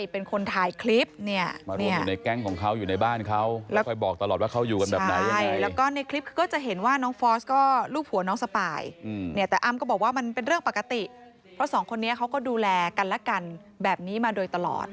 เป็นเรื่องปกติเพราะสองคนนี้เขาก็ดูแลกันและกันแบบนี้มาโดยตลอด